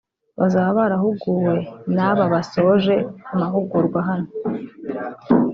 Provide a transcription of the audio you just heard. bazaba barahuguwe n’aba basoje amahugurwa hano